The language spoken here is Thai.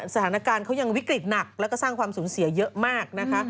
สถานการณ์เขายังวิกฤตหนักแล้วก็สร้างความสูญเสียเยอะมากนะคะ